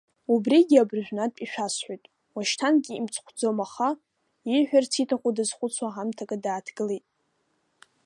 Убригьы абыржәнатә ишәасҳәоит, уашьҭангьы имцхәхом аха, ииҳәарц ииҭаху дазхәыцуа ҳамҭакы дааҭгылеит.